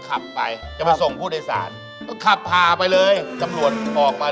สมมุติว่าจะหยุดไปถามบอกบ้านแม่อุ้ยครั้งปองอยู่ไหน